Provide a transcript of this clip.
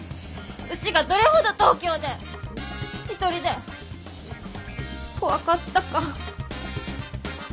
うちがどれほど東京で一人で怖かったか。